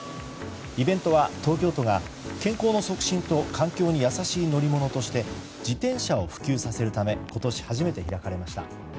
イベントは東京都が健康の促進と環境に優しい乗り物として自転車を普及させるため今年初めて開かれました。